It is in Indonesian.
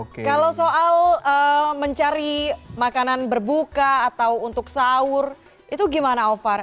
kalau soal mencari makanan berbuka atau untuk sahur itu gimana ovar